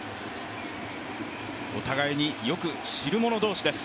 お互いによく知るもの同士です